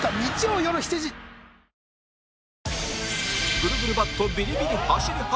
ぐるぐるバットビリビリ走り幅跳び